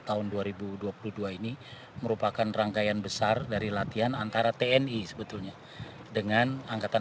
tahun dua ribu dua puluh dua ini merupakan rangkaian besar dari latihan antara tni sebetulnya dengan angkatan